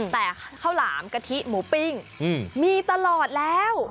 แต่ข้าวหลามกะทิหมูปิ้งมีตลอดแล้ว